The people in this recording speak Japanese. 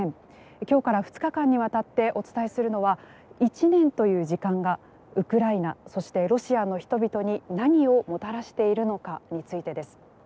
今日から２日間にわたってお伝えするのは１年という時間がウクライナそしてロシアの人々に何をもたらしているのかについてです。